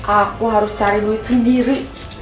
aku harus cari duit sendiri